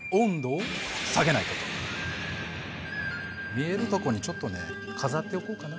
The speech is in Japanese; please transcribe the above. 見えるとこにちょっとね飾っておこうかな。